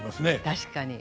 確かに。